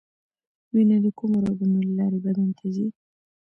وینه د کومو رګونو له لارې بدن ته ځي